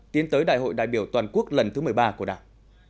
tiến tới đại hội đại biểu toàn quốc lần thứ một mươi ba của đảng